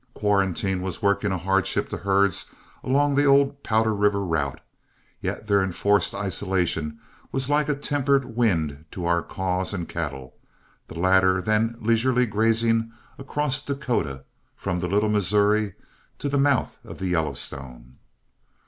Quarantine was working a hardship to herds along the old Powder River route, yet their enforced isolation was like a tempered wind to our cause and cattle, the latter then leisurely grazing across Dakota from the Little Missouri to the mouth of the Yellowstone.